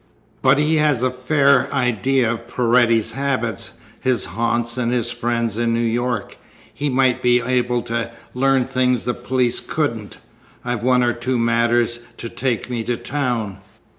But he has a fair idea of Paredes's habits, his haunts, and his friends in New York. He might be able to learn things the police couldn't. I've one or two matters to take me to town.